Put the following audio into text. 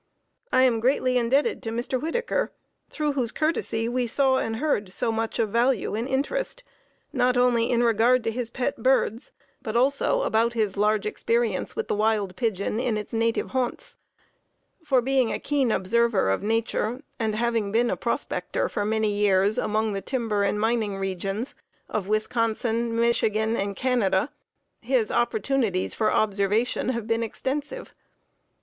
I am greatly indebted to Mr. Whittaker, through whose courtesy we saw and heard so much of value and interest, not only in regard to his pet birds, but also about his large experience with the wild pigeon in its native haunts; for, being a keen observer of nature, and having been a prospector for many years among the timber and mining regions of Wisconsin, Michigan and Canada, his opportunities for observation have been extensive.